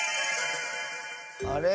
あれ？